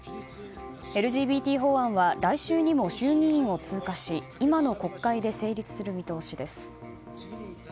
ＬＧＢＴ法案は来週にも衆議院を通過し今の国会で成立する見通しです。